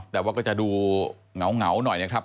แต่ว่าก็จะดูเหงาหน่อยนะครับ